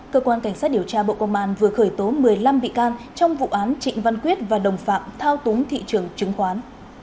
cơ quan cảnh sát điều tra bộ công an vừa khởi tố một mươi năm bị can trong vụ án trịnh văn quyết và đồng phạm thao túng thị trường chứng khoán